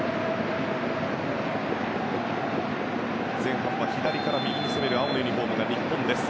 前半は左から右に攻める青のユニホームが日本です。